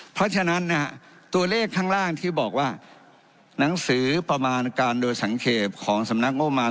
เพราะฉะนั้นตัวเลขข้างล่างที่บอกว่าหนังสือประมาณการโดยสังเกตของสำนักงบมาร